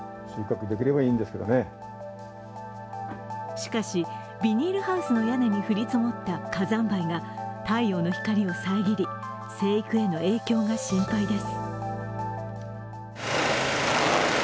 しかし、ビニールハウスの屋根に降り積もった火山灰が太陽の光を遮り、生育への影響が心配です。